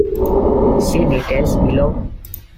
See details below.